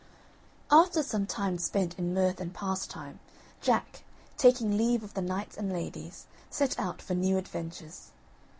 After some time spent in mirth and pastime, Jack, taking leave of the knights and ladies, set out for new adventures.